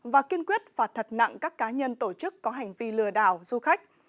và kiên quyết phạt thật nặng các cá nhân tổ chức có hành vi lừa đảo du khách